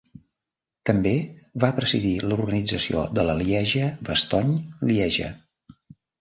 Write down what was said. També va presidir l'organització de la Lieja-Bastogne-Lieja.